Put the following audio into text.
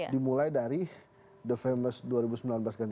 dimulai dari the famous dua ribu sembilan belas ganti presiden misalnya